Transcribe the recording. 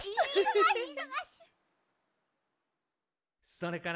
「それから」